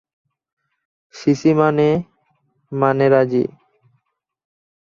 CC মনে মনে রাজি।